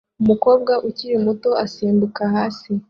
Umukobwa ukiri muto asimbuka hasi